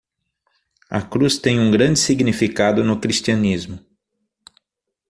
A cruz tem um grande significado no cristianismo.